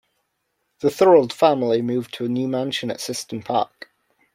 The Thorold family moved to a new mansion at Syston Park.